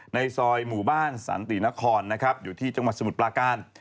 ในซอยหมู่บ้านสันตินครนะครับอยู่ที่จังหวัดสมุทรปลาการ